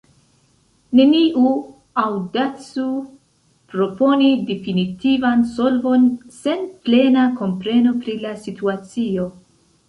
Neniu aŭdacu proponi definitivan solvon sen plena kompreno pri la situacio.